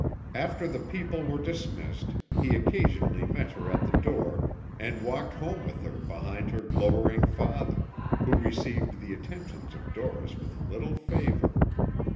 After the people were dismissed, he occasionally met her at the door, and walked home with her behind her glowering father, who received the attentions of Dorris with little favor.